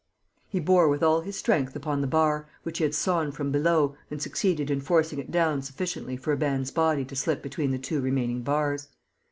He bore with all his strength upon the bar, which he had sawn from below, and succeeded in forcing it down sufficiently for a man's body to slip between the two remaining bars.